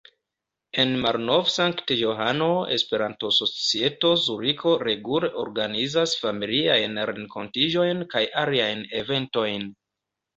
En Malnov-Sankt-Johano Esperanto-Societo Zuriko regule organizas familiajn renkontiĝojn kaj aliajn eventojn.